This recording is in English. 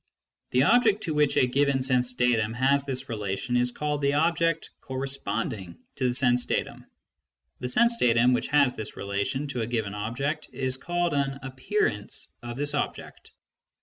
The object to which a given sense datum has; this relation is called the object " corresponding " to the sense datum ; the sense datum which has this relation to a given object is called an " appearance " of this object.